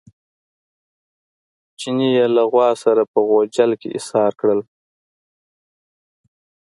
چیني یې له غوا سره په غوجل کې ایسار کړل.